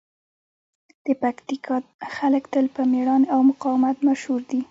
د پکتیکا خلک تل په مېړانې او مقاومت مشهور دي.